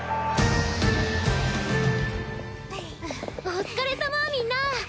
お疲れさまみんな。